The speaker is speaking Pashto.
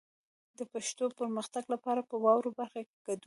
د پښتو پرمختګ لپاره په واورئ برخه کې ګډون وکړئ.